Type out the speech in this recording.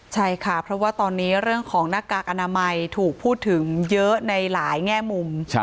ใช่ค่ะเพราะว่าตอนนี้เรื่องของหน้ากากอนามัยถูกพูดถึงเยอะในหลายแง่มุม